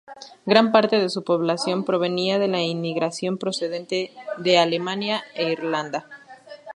Gran parte de su población provenía de la inmigración procedente de Alemania e Irlanda.